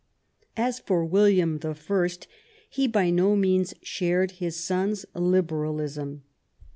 As for William I, he by no means shared his son's liberalism.